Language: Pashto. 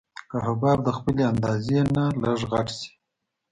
که حباب د خپلې اندازې نه لږ غټ شي.